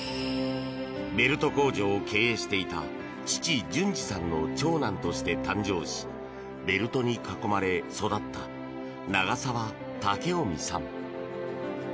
ベルト工場を経営していた父・潤治さんの長男として誕生しベルトに囲まれ育った長澤猛臣さん。